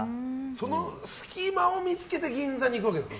その隙間を見つけて銀座に行くわけですか。